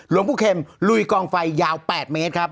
ลุยกองไฟยาว๘เมตรครับ